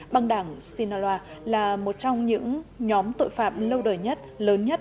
băng đảng sinaloa là một trong những nhóm tội phạm lâu đời nhất lớn nhất